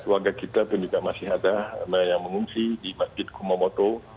warga kita pun juga masih ada yang mengungsi di masjid kumomoto